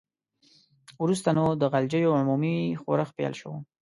وروسته نو د غلجیو عمومي ښورښ پیل شو.